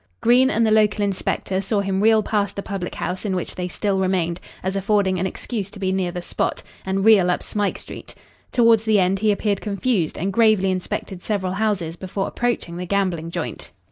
Green and the local inspector saw him reel past the public house in which they still remained, as affording an excuse to be near the spot, and reel up Smike Street. Towards the end he appeared confused and gravely inspected several houses before approaching the gambling joint.